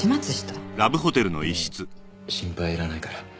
もう心配いらないから。